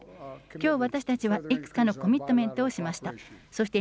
きょう、私たちはいくつかのコミットメントをしました。